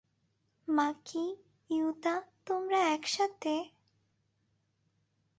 মাকি, Yuta, তোমরা একসাথে।